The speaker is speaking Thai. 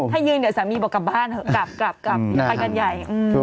ถ้ายืนเนี่ยสามีบอกกลับบ้านไปกันใหญ่